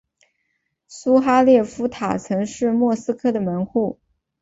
苏哈列夫塔曾是莫斯科的门户。